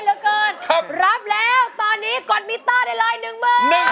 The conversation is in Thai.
ร้องได้หรือว่าร้องผิดครับ